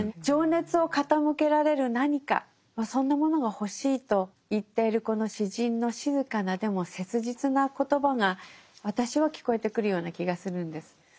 情熱を傾けられる何かそんなものが欲しいと言っているこの詩人の静かなでも切実な言葉が私は聞こえてくるような気がするんです。